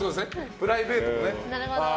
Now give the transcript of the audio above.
プライベートも。